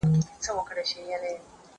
زه لیکل کړي دي!